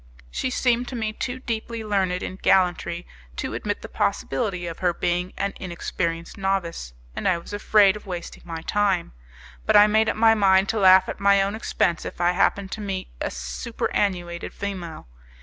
She seemed to me too deeply learned in gallantry to admit the possibility of her being an inexperienced novice, and I was afraid of wasting my time; but I made up my mind to laugh at my own expense if I happened to meet a superannuated female.